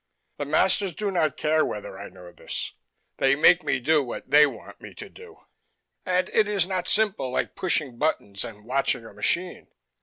The masters do not care whether I know this. They make me do what they want me to do. And it is not simple like pushing buttons and watching a machine.